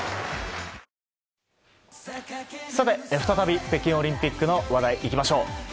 再び北京オリンピックの話題いきましょう。